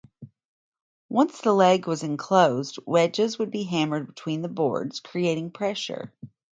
Once the leg was enclosed, wedges would be hammered between the boards, creating pressure.